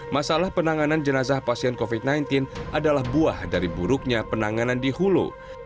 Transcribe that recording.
masalah penanganan jenazah pasien covid sembilan belas adalah buah dari buruknya penanganan di hulu